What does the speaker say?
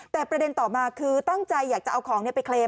แต่ประเด็นต่อมาคือตั้งใจอยากจะเอาของไปเคลม